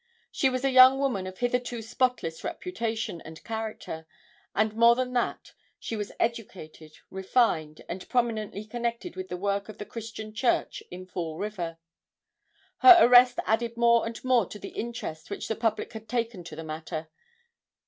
She was a young woman of hitherto spotless reputation and character, and more than that she was educated, refined and prominently connected with the work of the christian church in Fall River. Her arrest added more and more to the interest which the public had taken in the matter.